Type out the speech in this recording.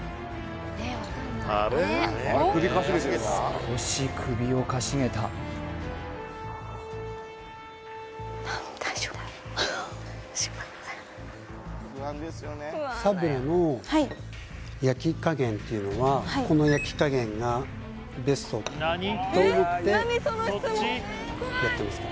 少し首をかしげた心配だねサブレの焼き加減というのはこの焼き加減がベストと思ってやってますか？